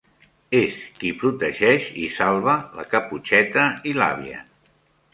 És qui protegeix i salva la Caputxeta i l'àvia.